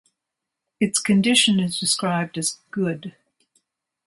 Its condition is described as "good".